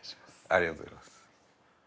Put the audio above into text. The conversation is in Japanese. ありがとうございます。